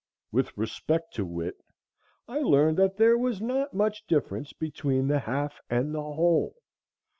With respect to wit, I learned that there was not much difference between the half and the whole.